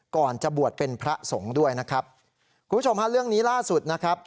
ก่อนจะบวชเป็นพระสงฆ์ด้วยนะครับคุณผู้ชมฮะเรื่องนี้ล่าสุดนะครับ